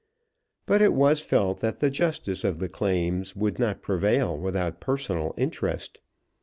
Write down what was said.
But it was felt that the justice of the claims would not prevail without personal interest.